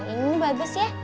ini bagus ya